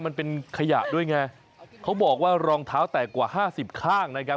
มันเป็นขยะด้วยไงเขาบอกว่ารองเท้าแตกกว่าห้าสิบข้างนะครับ